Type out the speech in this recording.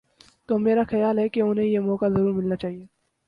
تو میرا خیال ہے کہ انہیں یہ موقع ضرور ملنا چاہیے۔